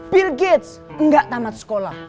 bill gates enggak tamat sekolah